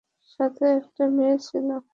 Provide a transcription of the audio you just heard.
সাথে একটা মেয়ে ছিল।